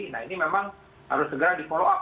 nah ini memang harus segera di follow up